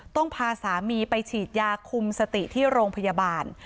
ต้องพาสามีไปฉีดยาคุมสติที่โรงพยาบาล